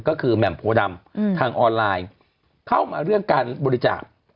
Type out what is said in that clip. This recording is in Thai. ก็คือแหม่มโพดำทางออนไลน์เข้ามาเรื่องการบริจาค